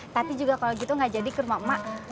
tati juga kalau gitu gak jadi ke rumah emak